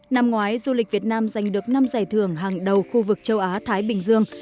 năm ngoái du lịch việt nam giành được năm giải thưởng hàng đầu khu vực châu á thái bình dương